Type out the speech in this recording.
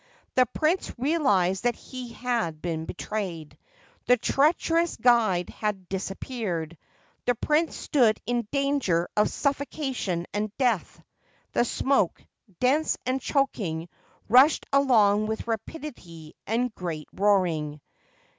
The Prince realised that he had been betrayed. The treacherous guide had disappeared. The Prince stood in danger of suffocation and death. The smoke, dense and choking, rushed along with rapidity and great roaring.